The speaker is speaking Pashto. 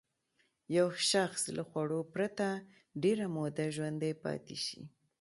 یو شخص له خوړو پرته ډېره موده ژوندی پاتې شي.